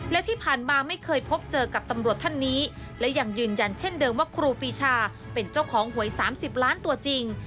และที่ผ่านมาไม่เคยพบเจอกับตำรวจท่านนี้และยังยืนยันเช่นเดิมว่าครูปีชาเป็นเจ้าของหวย๓๐ล้านตัวจริง